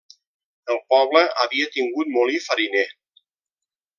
El poble havia tingut molí fariner.